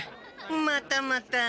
またまた。